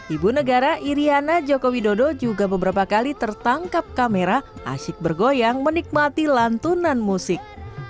ibu negara iryana joko widodo juga beberapa kali tertangkap kamera asyik bergoyang menikmati lantunan musik